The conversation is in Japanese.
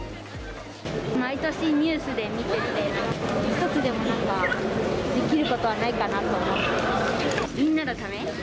毎年、ニュースで見てて、一つでも何かできることはないかなと思って。